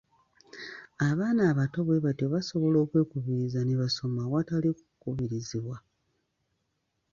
Abaana abato bwe batyo basobola okwekubiriza ne basoma awatali kukubirizibwa.